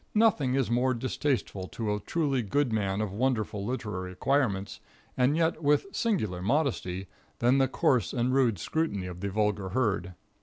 Nothing is more distasteful to a truly good man of wonderful literary acquirements, and yet with singular modesty, than the coarse and rude scrutiny of the vulgar herd.